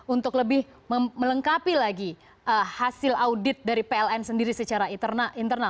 untuk lebih melengkapi lagi hasil audit dari pln